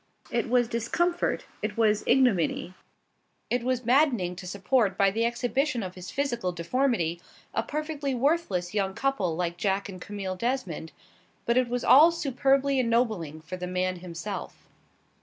It was discomfort; it was ignominy; it was maddening to support by the exhibition of his physical deformity a perfectly worthless young couple like Jack and Camille Desmond, but it was all superbly ennobling for the man himself.